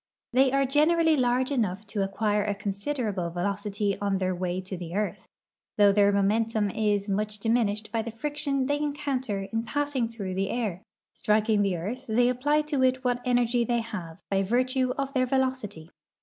They are generall}' large enough to acquire a considerable velocit}'' on their wa}^ to the earth, though their momentum is much diminished l)y the friction they encounter in passing through the air. Striking the earth, they appl}' to it what energy they have by virtue of their velocity.